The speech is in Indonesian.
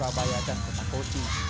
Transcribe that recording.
bapak ibu bayi akan ketakuti